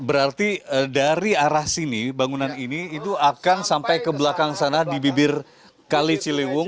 berarti dari arah sini bangunan ini itu akan sampai ke belakang sana di bibir kali ciliwung